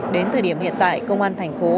đến thời điểm hiện tại công an thành phố